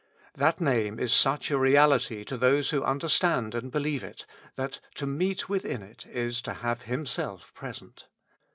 That Name is such a reality to those who understand and believe it, that to meet within it is to have Himself present.